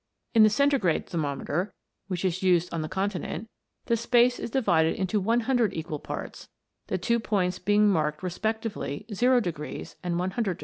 In the Centigrade thermometer, which is used on the Continent, the space is divided into 100 equal parts, the two points being marked respectively 158 WATER BEWITCHED.